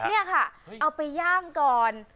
นี่ค่ะเอาไปย่างก่อน